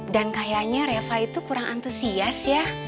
dan kayaknya reva itu kurang antusias ya